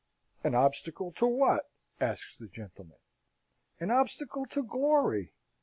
"An obstacle to what?" asks the gentleman. "An obstacle to glory!"